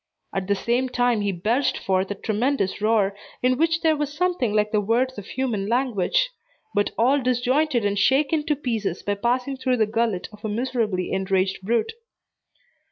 At the same time, he belched forth a tremendous roar, in which there was something like the words of human language, but all disjointed and shaken to pieces by passing through the gullet of a miserably enraged brute.